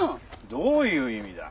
どういう意味だ？